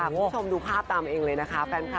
คุณผู้ชมดูภาพตามเองเลยนะคะ